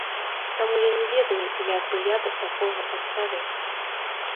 Таму я не ведаю, як бы я да такога паставіўся.